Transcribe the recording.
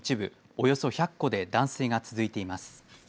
およそ１００戸で断水が続いています。